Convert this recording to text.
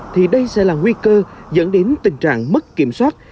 thì đây sẽ là nguy cơ dẫn đến tình trạng mất kiểm soát